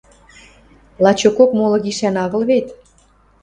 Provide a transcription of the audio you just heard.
– Лачокок молы гишӓн агыл вет